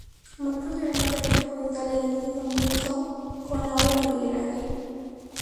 Muy posiblemente pasó por Italia, donde se familiarizó con la obra de Miguel Ángel.